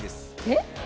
えっ？